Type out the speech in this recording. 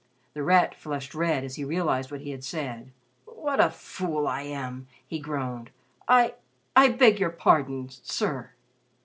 The Rat flushed red as he realized what he had said. "What a fool I am!" he groaned. "I I beg your pardon sir."